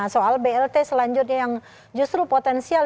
soal blt selanjutnya yang justru potensial